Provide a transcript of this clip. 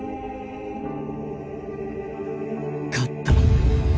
勝った！